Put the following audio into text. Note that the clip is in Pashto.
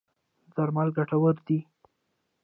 درمل ګټور دی.